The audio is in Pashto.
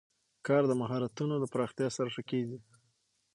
کار د مهارتونو له پراختیا سره ښه کېږي